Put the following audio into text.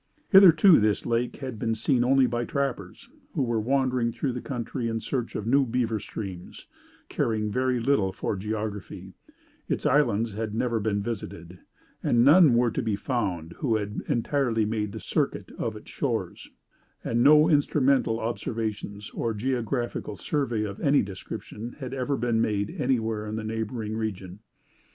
"Hitherto this lake had been seen only by trappers, who were wandering through the country in search of new beaver streams, caring very little for geography; its islands had never been visited; and none were to be found who had entirely made the circuit of its shores; and no instrumental observations, or geographical survey of any description, had ever been made anywhere in the neighboring region.